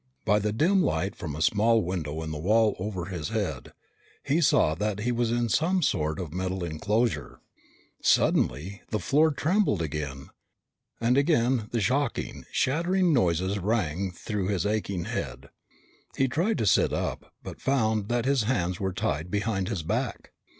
By the dim light from a small window in the wall over his head, he saw that he was in some sort of metal enclosure. Suddenly the floor trembled and again the shocking, shattering noises rang through his aching head. He tried to sit up but found that his hands were tied behind his back.